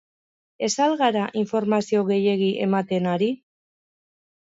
Ez al gara informazio gehiegi ematen ari?